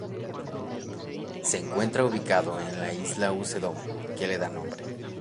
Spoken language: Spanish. Se encuentra ubicado en la isla de Usedom, que le da nombre.